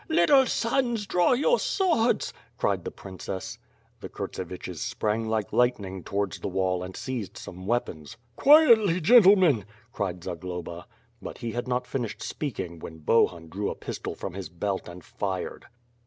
...'' "Eh! little sons, draw your swords," cried the princess. The Kurtseviches sprang like lightning towards the wall, and seized some weapons. "Quietly, gentlemen," cried Zagloba. But, he had not finished speaking, when Bohun drew a pis tol from his belt and fired.